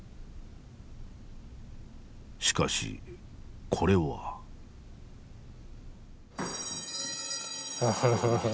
しかしこれは？フフフ。